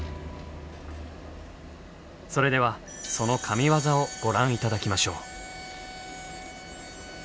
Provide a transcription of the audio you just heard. それではその神業をご覧頂きましょう。